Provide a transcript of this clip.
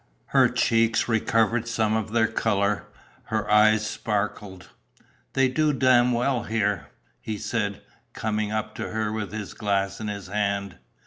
Her cheeks recovered some of their colour; her eyes sparkled. "They do you damn well here," he said, coming up to her with his glass in his hand.